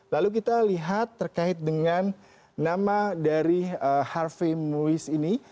lalu kita lihat terkait dengan nama dari harvey muiz ini